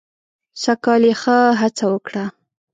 سږ کال یې ښه هڅه وکړه.